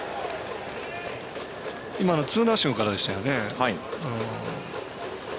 今のツーナッシングからでしたよね。